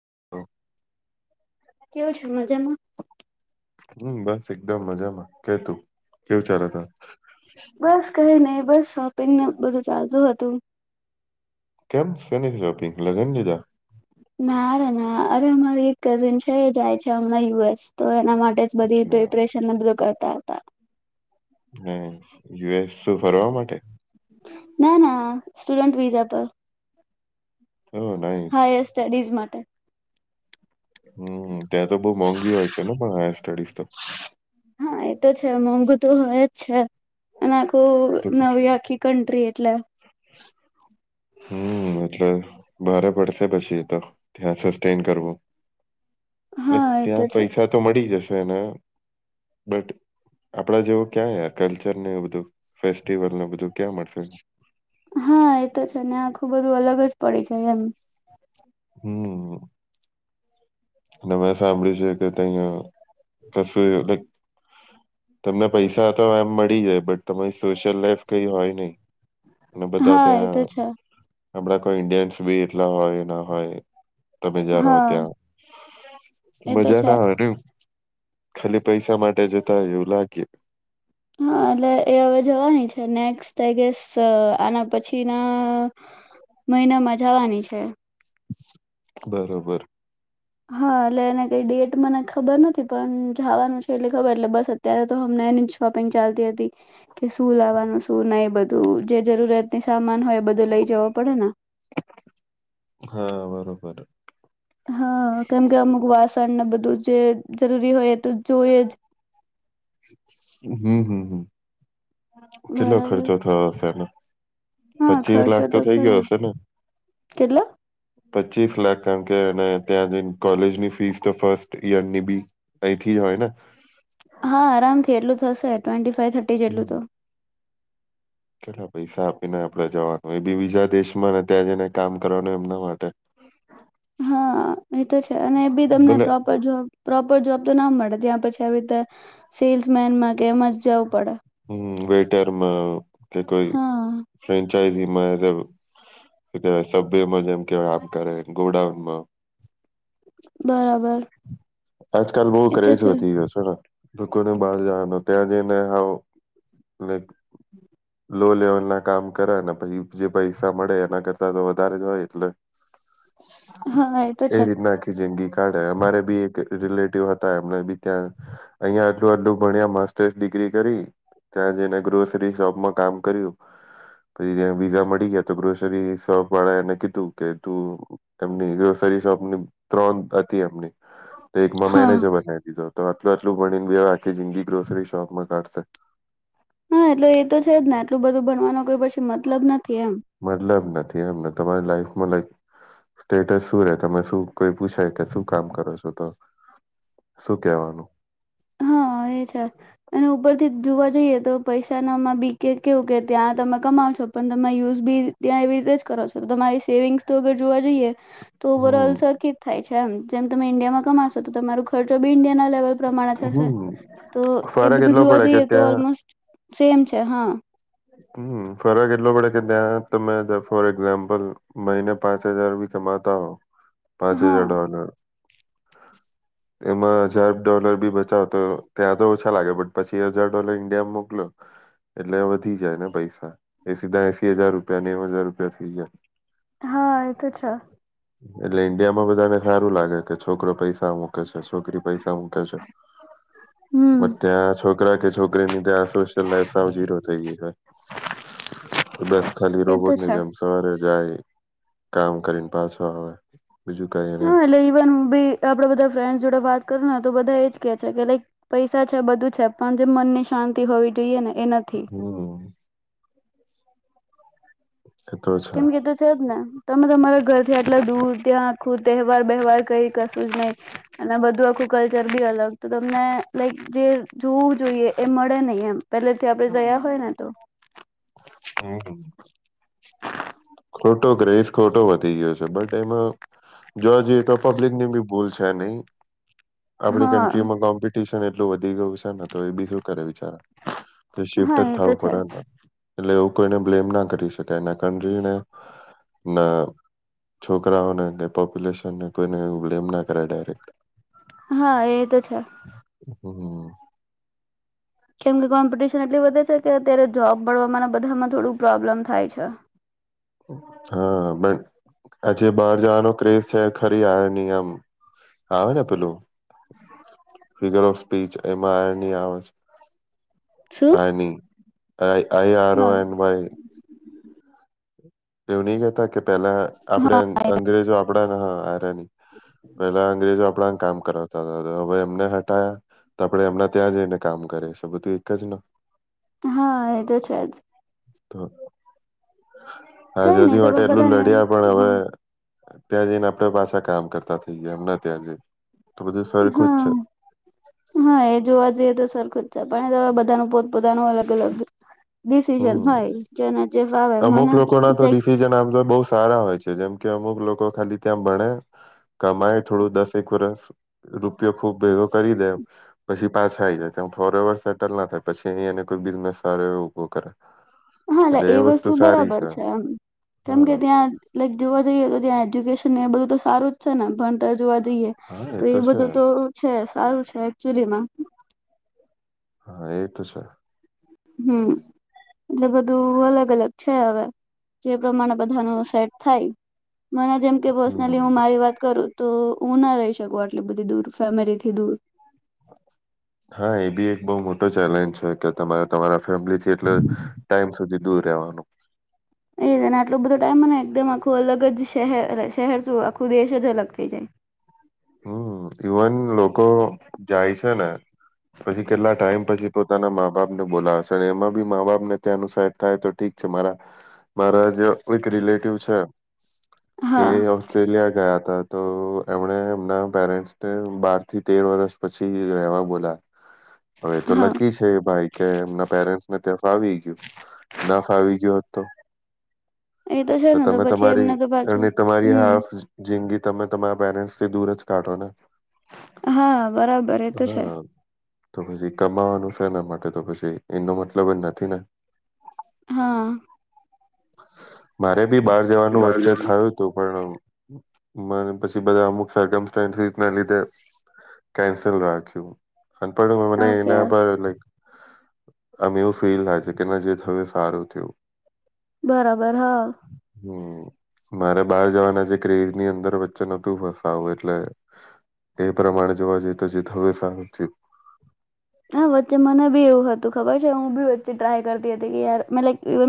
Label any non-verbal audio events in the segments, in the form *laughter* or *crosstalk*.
*inaudible* કેવું છ મજામાં? હમ બસ એકદમ મજામાં કે તું કેવ ચાર હતા. બસ કઈ ને બસ શોપિંગને બધું ચાલતુ હતું. કેમ્પ સેનિથરોપિ લગન લા ના ર ના અરે અમારી એક કઝિન છે એ જાય છે હમણાં યુએસ તો એના માટે જ બધી અચ્છા પ્રિપરેશન બધ ત ત હમ્મ યુએસ ફરવા માટે. ના ના સ્ટુડન્ટ વિઝા પર ઓ નાઈસ હા સ્ટડીઝ મ હમ ત્યાં તો બહુ મોંઘી હોય છે ને પણ હાયર સ્ટડીઝ તો હા એ મોંઘુ તો હો છે. તો નવી આખી કન્ટ્રી એટલે હમ્મ એટલે ભારે પડશે પછી તો ત્યાં સસ્ટેન કરવું. હા એ તો ત્યાં છે પૈસા તો મળી જ અને બટ આપડા જેવો ક્યાં કલ્ચર ને એ બધું ફેસ્ટિવલને બધું ક્યાં મળશે. હા એ તો છે ને આખું બધું અલગ જ પડી જાય એમ. હમ્મ અને મે સાંભળ્યું છે કે તમે કશું તમને પૈસા તો એમ મળી જાય બટ તમારી સોશિયલ લાઈફ કઈ હોય નહી. અને બધા હા એ તો ત્યાં છે આપડા કોઈ ઈન્ડિયન્સ બી એટલા હોય ના હોય. તમે જ્યા રહો હા ત્યાં એ તો મજા છે ના આવે ને. ખાલી પૈસા માટે જતા હોઈ લાગે. હા એટલે એ હવે જવાની છે નેક્સ્ટ એગસ આના પછી ના મહિનામાં જવાની છે. બરોબર. હા એટલે એને કઈ ડેટ મને ખબર નથી પણ જવાનું છે એટલે ખબર એટલે બસ અત્યારે તો હમને એની જ શોપિંગ ચાલતી હતી કે શું લાવવાનું શું નહી બધું જે જરૂરિયાતની સામાન હોય બધુ લઈ જવા પડેને. બર હા કેમ કે અમુકવા બધું જ જરૂરી હોય. તો જોઈએ જ હમ્મ હમ્મ. કેટલો બરાબર ખર્ચો થયો હશેને હા પચીસ ખર્ચો લાખ તો થઇ ખરા ગયો હશે ને? કેટલો પચીસ લાખ કારણ કે અને ત્યાં જઈને કોલેજની ફીસ તો ફર્સ્ટ ઈયર ની બી અહીંથી જ હોય ને. હા આરામથી એટલું થશે ટ્વેન્ટી ફવ થર્ટી હમ. જેટલું તો કેટલા પૈસા આપીને આપડે જવાનું એ બી બીજા દેશ માં ને ત્યાં જઈને કામ કરવાનું એમના માટે હા એ તો છે અને એ બી તમને ભલે પ્રોપર જોબ પ્રોપર જોબ તો ના મળે. પછ સેલ મેનમાં કેમ જ જવું પડે ઘરમાં કે કોઈ હા ફ્રેન્ચ વાય સભ્યમાં જેમ કેવાય આમ કરે ગોડાઉનમાં બરાબર આજકાલ બહુ એ તો ક્રેઝ છે વધી ગયો છે. લોકોને બહાર જવાનો ત્યાં જઈને આવ લક હમ. લો લેવલ ના કામ કરે ને પછી જે પૈસા મળે એના કરતા તો વધારે જ હોય એટલે હા તો એ છે રીત નાખી જેંગી. કાર્ડ અમારે બી રિલેટિવ હતા એમને બી ત્યાં અહિયાં આટલું આટલું ભણ્યા માસ્ટર્સ ડિગ્રી કરી ત્યાં જઈને ગ્રોસરી શોપમાં કામ કર્યું. પછી વિઝા મળી ગયા તો ગ્રોસરી શોપ વાળા એને કીધું કે તું એમની ગ્રોસરી શોપની ત્રણ હતી એમની. તો એકમાં હા મેનેજર બનાવી દીધો. તો આટલું આટલું ભણીને બી હ આખી જિંદગી ગ્રોસરી શોપમાં કાઢશે. હા એટલ એ તો છે જ ને એટલું બધું ભણવાનો કોઈ પછી મતલબ ન મતલબ ન થી એમ તમારી લાઈફમાં લક સ્ટેટસ શું રે તમે શું કોઈ પૂછાય કે શું કામ કરો છો તો. શું કેવાનું? હા એ છે અને ઉપરથી જોવા જઈએ તો પૈસાનામાં બી કે કેવું કે ત્યાં તમે કમાવ છો પણ તમે યુઝ બી ત્યાં એવી રીતે જ કરો છો તો તમારી સેવિંગ્સ તોગર જોવા જઈએ તો ઓવર ઓલ હમ સર્કિટ થાય છે એમ જેમ તમે ઈન્ડિયામાં કમાશો તો તમારો ખર્ચો બી ઇન્ડિયા લેવલ પ્રમાણ હમ તો એ ફરક બધું એટલો જોવા પડે કે જઈએ તો ત્યાં ઓલમોસ્ટ સેમ છે હા. હમ્મ ફરક એટલો પડે કે ત્યાં તમે ફોર એક્ઝામ્પલ મહિને પાંચ હજાર ભી કમાતા હો. પાંચ હા હજાર ડોલર. એમાં હજાર ડોલર બી બચાવ તો ત્યાં તો ઓછા લાગે પણટ પછી હજાર ડોલર ઈન્ડિયામાં મોકલો એટલે થઈ જાય ને પૈસા એ સીધા એસી હજાર રૂપિયા નેવ હજાર રૂપિયા થઈ જાય. હા એ તો છે. એટલે ઈન્ડિયામાં બધાને સારું લાગે કે છોકરો પૈસા મૂકે છે. છોકરી પૈસા મકે છે બ હમ ત્યાં છોકરા કે છોકરીની ત્યાં સોશિયલ લાઈફ સાવ જરો થઈ ગઈ છે બસ ખાલી એ તો રોબોટ ની છે જેમ સવારે જાય કામ કરીને. પાસવા હા એટલે ઈવન બી આપડે બધા ફ્રેન્ડ જોડે વાત કરું ને તો બધા કે છે કે લક પૈસા છે બધું છે પણ જેમ મનની શાંતિ હોવી જોઈએ ને. એ નથી હમ એ તો છે. કેમ કે તો છે જ ને તમે તમારા ઘરથી આટલા દૂર ત્યાં ખુદ તહેવાર વ્યવવાાર કઈ નહી અને બધું આખું ચરબી અલગ તો તમને લાઈક જે જોવું જોઈએ એ મળે નહીં એમ. પેલેથી આપડે ગયા હોય ને તો હમ ખોટો ગહીસ ખોટો વધી ગયો છે બટ એમાં જોવા જઈએ તો પબ્લિક ની બી ભૂલ છે નહી. આપડી હા કન્ટ્રીમાં કોમ્પ ટ્યશન એટલું વધી ગયું છે ને તો એ બી શું કરે બીચારા શિફ્ટ હા જ એ તો થવું છે પડે હતા એટલે કોઈને બ્લેમ ના કરી શકાય ના કન્ટ્રીને ના છોકરાઓને કે પોપ્યુલેશનને કોઈને એવુ બ્લેમ ના કરાય ડાયરેક્ટ. હા, એ તો છે. હમ્મ. કેમ કે કોમ્પિટિશન એટલી વધે છે કે અત્યારે જોબ મળવાના બધામાં થોડું પ્રોબ્લેમ થાય છે. હા, બટ આજે બહાર જવાનો ક્રેઝ છે ખરી આયો નિયમ આવે ને પેલું ફિગર ઓફ સ્પીચ એમાં આની આવે છે. શું આની આઈ આઈ આર ઓ હા એન વાય. એવું નહી કહેતા કે પેલા આપડે અંગ્રેજો આપડાના હ હરાની પેલા અંગ્રેજો આપડાને કામ કરાવતા હતા હવે એમને હટાયા તો આપડે હમણાં ત્યાં જઈને કામ કરીએ છે બધું એક જ ન. હા, એ તો છે જ. તો કઈ નહી આઝાદી તો માટે પણ એટલું બધાને લડ્યા પણ હા હવે ત્યાં જઈને આપડા પાછા કામ કરતા થઇ ગયા એમને ત્યાં જઈ. તો બધું સરખું જ હા છે હા એ જોવા જઈએ તો સર ખુજ છે પણ જોવા બધાં ના પોત પોતાનું અલગ અલગ ડિસિજન હમ હોય જેના જે ફાવે અમુક મને લોકો ના તો જેક ડિસિઝન આમ તો બહુ સારા હોય છે જેમ કે અમુક લોકો ખાલી ત્યાં ભણે કમાય થોડું દસેક વરસ. રૂપિયો ખુબ ભેગો કરી દે પછી પાછા આઈ જાય ત્યા ફોરે એવર સેટલ ના થાય પછી અહી એને કોઈ બિઝનેસ સારો એવું ઓ કર હા લ એ વસ્તુ બરાબર છે એમ કેમ કે હા ત્યાં લાઈક જોવા જઈએ તો ત્યાં એજ્યુકેશન ને બધું સારું જ છે ને ભતા જોવા જઈએ તો એ બધું તો છે સારું છે. સુલેમાં હા એ તો છે. હમ એટલે બધું અલગ અલગ છે હવે જે પ્રમાણે બધા ન સેટ થાય. મને જેમ કે હમ પસનેલી હું મારી વાત કરું. તો હું ના રહી શકું આટલી બધી દૂર ફેમિલીથી દૂર હા એ બી એક બહ મોટો ચેલેન્જ છે કે તમારે તમારા ફેમથી એટલે ટાઈમ સુધી દૂર રહેવાનું એ જ ને આટલો બધો ટાઈમ મને એકદમ આખું અલગ જ શહેર શહેર શું આખું દેશ જ અલગ થઈ જાય. હમ ઈવન લોકો જાય છે ને પછી કેટલા ટાઈમ પછી પોતાના મા બાપને બોલાવે છે એમાં બી મા બાપને ત્યાં અનુસહેબ થાય તો ઠીક છે મારા મારા જે એક રિલેટિવ છે. એ હા ઓસ્ટ્રેલિયા ગયા હતા. ત્યારે તો એમણે મના પેરેન્ટને બાર થી તેર વર્ષ પછી રહવા બોલા હવે એ તો હા લકી છે ભાઈ કે એમના પેરેન્ટ્સને ત્યાં ફાવી ગયું ન ફાવી ગયો તો એ છે તો ને તમે પછી તમારી એમને તો પાછું અને તમારી હાફ હમ જિંગી તમે તમારા પેરેન્ટ્સ થી દૂર જ કાઢોનાને હા બરાબર એ તો છે. હા તો પછી કમાવાનું છે એના માટે તો પછી એનો મતલબ નથી ને હા મારે ભી બહાર જવાનું બહાર વચ્ચે જવાની થયું હતું પણ મને પછી બધા અમુખ સરગમ સ્ટેન્ડ સીટ ના લીધે કેન્સલ રાખ્યું અનપડ લોકો ઓકે નેએના પરર લક આમ એવું ફીલ થાય છે કે નજી હવે સારું થયું. બરાબર હા હમ્મ. મારે બહાર જવાના છે ક્રેઝ ની અંદર વચ્ચે નોતું બસ સારું એટલે એ પ્રમાણે જોવા જઈએ તો જીત હવે સારું થયું હા વચ્ચે મને બી એવું હતું ખબર છે હું બી વચ્ચે ટ્રાય કરતી હતી કે યાર મે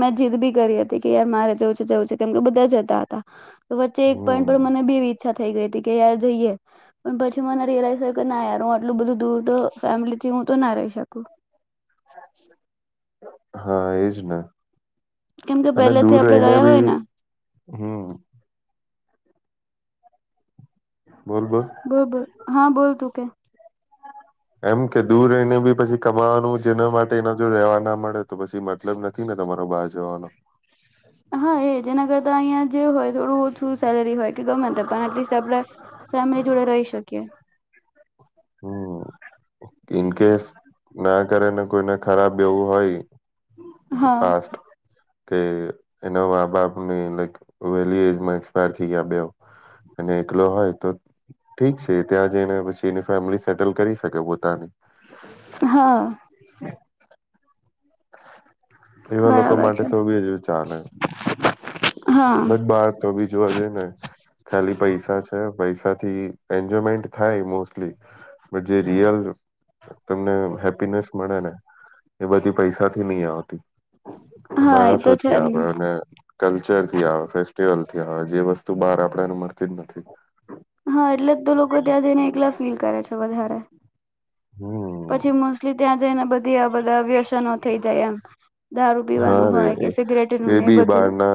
મેં જીદ બી કરી હતી કે યાર મારે જવું છે જવું છે કેમ કે બધા જતા હતા. તો વચ્ચ એક પોઈન્ટ હમ્મ. પર મને બી એવીઈચ્છા થઈ ગઈ હતી કે યાર જઈએ પણ પછી મને રિલાઈઝ થયો કે ના યાર હું આટલું બધું દૂર તો ફેમલી તો ના રહી શકું હા એજ ને કેમ કે અને પહેલેથી દૂર આપડે રહીને રહ્યા હોય બી ને હમ બોલ બોલ હા બોલ તું કે એમ કે દૂર રહીને બી પછી કમાવાનું જેના માટે એના જો રેવા ના મળે તો પછી મતલબ નથી ને તમારો બહાર જવાનો હા એ જેના કરતા *unintelligible* જે હોય થોડું ઓછું સેલેરી હોય કે ગમે પણ એટલીસ્ટ આપડે ફેમિલી જોડે રહી શકીએ હમ ઇનકેસ ના કરે ને કોઈને ખરાબ એવું હોય દી હા પાસ્ટ કે એના મા બાપ ને લક વહેલી એજમાં એક્સપાયર થઈ ગયા બે અને એકલો હોય તો ઠીક છે ત્યાં જઈને પછી એ ફેમિલી સેટલ કરી શકે પોતાની હા *inaudible* એવા લોકો બરાબર માટે છે તો બી હજ ચાલે હા બટ બાર તો બી જોવા જઈએ ને ખાલી પૈસા છે પૈસા થી એન્જોયમેન્ટ થાય મોસ્ટલી બ જે રિયલ તમને હેપીનેસ મળે ને એ બધી પૈસા થી નહી આવતી હા એ તો માણસો છે થી જ આવે ને અને કલ્ચર થી આવે ફેસ્ટિવલ થી આવે જેસ્ુ સ્ બાર આપેને મળ હા એટલે જ તો લોકો ત્યાં જઈને એકલા ફીલ કરે છે વધારે હમ પછી મોસ્ટલી ત્યાં જઈને બધી આ બધા વ્યસનો થઈ જાય એમ દારૂ હા પીવાનું રે હોય કે સિગરેટ નું એ ને બી બધું બારના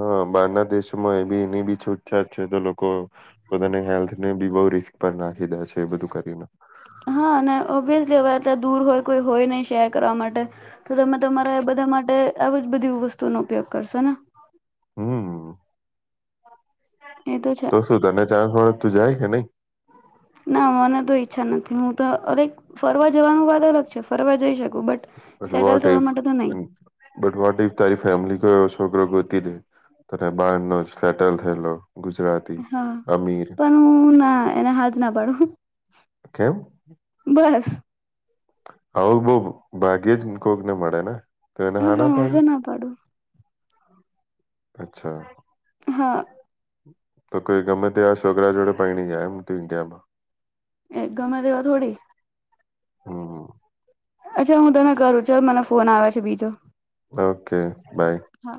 હા બહારના દેશમાં એ બી એની બી છૂટછાટ છે તો લોકો પોતાને હેલ્થ ને બી બહ રિસ્ક પર નાખી દે છે એ બધું કરીને હવેં દૂર હોય કોઈ હોય નહી શેર કરવા માટે તો તમે તમારા બધા માટે આવી જ બધી વસ્તુનોો ઉપયોગ કરશો ને હમ એ છે તો શું તને ચાલો થોડ તો જાય કે નહી ના મને તો ઈચ્છા નથી હું તો અલક *unintelligible* જવાનું વાત અલગ છે ફરવા જઈ શકું બટ બ સેટલ વટ ઇ થવા માટે તો નહી બટ વટ ઇ તારી ફેમિલી છોકરો ગોતી દે તને બાર ન જ સેટલ થયેલો ગુજરાતી હા અમીર પણ હું ના એના હાથ ના પાડું કેમ બસ આવું બહ ભાગ્યે જ કોક ને મળે ને તો એને હા પણ ઉ પાડે તોું ના પાડું અચ્છા હા તો કોઈ ગમે ત્યાં છોકરા જોડે પા નહી જાય એમ તો ઇન્ડિયામાં એક ગમે દવા થોડી. હા. અચ્છા હું તને કરું છો મને ફોન આવ છે બીજો. ઓકે. બાય. હા